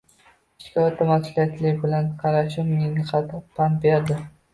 Ishga o'ta mas'uliyat bilan qarashim menga qattiq pand berdi